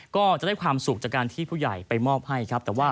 ก็จะได้ความสุขจากการที่ผู้ใหญ่ไปมอบให้ครับ